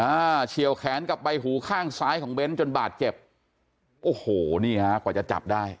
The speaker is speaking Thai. เฉียวแขนกับใบหูข้างซ้ายของเบ้นจนบาดเจ็บโอ้โหนี่ฮะกว่าจะจับได้